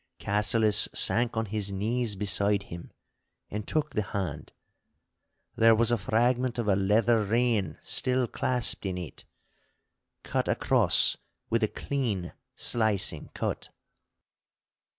Cassillis sank on his knees beside him and took the hand. There was a fragment of a leather rein still clasped in it, cut across with a clean, slicing cut.